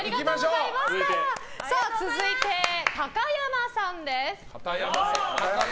続いて、高山さんです。